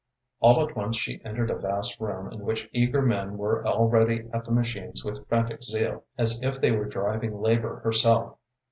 All at once she entered a vast room in which eager men were already at the machines with frantic zeal, as if they were driving labor herself.